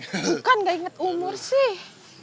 bukan gak inget umur sih